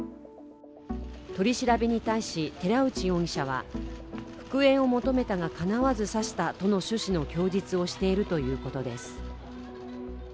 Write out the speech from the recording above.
取り調べに対し寺内容疑者は復縁を求めたがかなわず刺したという趣旨の供述をしているということです。